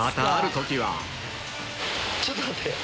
ちょっと待って。